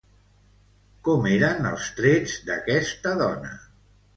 Com eren els trets d'aquesta dona?